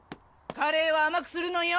カレーは甘くするのよ。